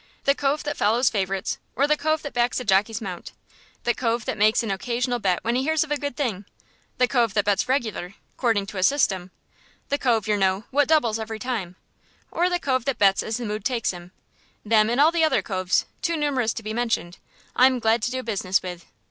The cove that follows favourites, or the cove that backs a jockey's mount, the cove that makes an occasional bet when he hears of a good thing, the cove that bets regular, 'cording to a system the cove, yer know, what doubles every time or the cove that bets as the mood takes him them and all the other coves, too numerous to be mentioned, I'm glad to do business with.